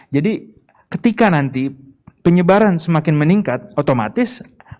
jadi ketika nanti penyebaran semakin meningkat otomatis